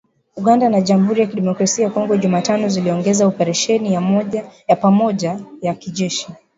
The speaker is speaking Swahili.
Uganda na Jamhuri ya Kidemokrasi ya Kongo, Jumatano ziliongeza operesheni ya pamoja ya kijeshi